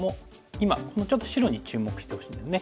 今このちょっと白に注目してほしいんですね。